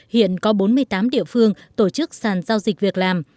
hiện có bốn mươi tám địa phương tổ chức sàn giao dịch việc làm